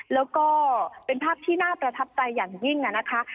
แล้วก็เป็นภาพที่น่าประทับใจอย่างยิ่งนะคะ